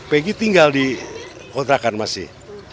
peggy tinggal di kontrakan masih